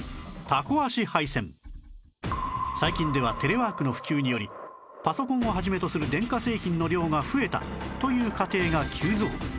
最近ではテレワークの普及によりパソコンを始めとする電化製品の量が増えたという家庭が急増